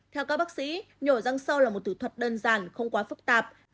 theo các bác sĩ nhổ răng sâu là một thủ thuật đơn giản không quá phức tạp